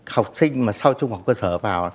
học sinh mà sau trung học cơ sở vào